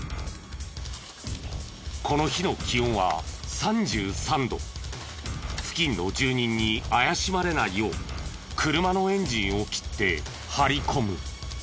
この日の付近の住人に怪しまれないよう車のエンジンを切って張り込む。